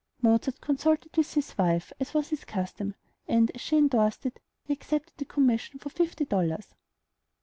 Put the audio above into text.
Mozart consulted with his wife, as was his custom, and, as she indorsed it, he accepted the commission for fifty dollars.